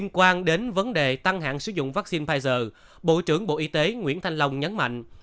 quan đến vấn đề tăng hạn sử dụng vaccine pfizer bộ trưởng bộ y tế nguyễn thanh long nhấn mạnh